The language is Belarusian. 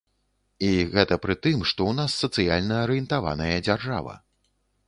І гэта пры тым, што ў нас сацыяльна арыентаваная дзяржава.